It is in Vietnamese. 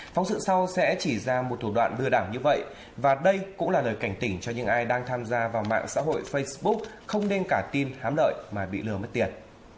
phóng sự sau sẽ chỉ ra một thủ đoạn lừa đảo như vậy và đây cũng là lời cảnh tỉnh cho những ai đang tham gia vào mạng xã hội facebook không nên cả tin hám lợi mà bị lừa mất tiền